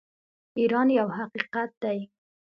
ایران یو حقیقت دی.